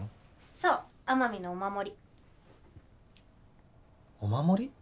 そう奄美のお守りお守り？